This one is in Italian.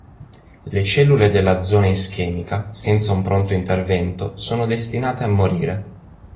Le cellule della zona ischemica, senza un pronto intervento, sono destinate a morire.